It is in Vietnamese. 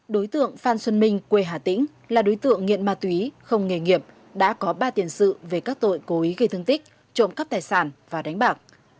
đối tượng phan xuân minh quê hà tĩnh là đối tượng nghiện ma túy không nghề nghiệp đã có ba tiền sự về các tội cố ý gây thương tích trộm cắp tài sản và đánh bạc